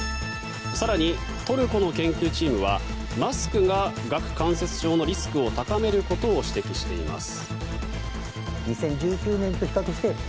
更に、トルコの研究チームはマスクが顎関節症のリスクを高めることを指摘しています。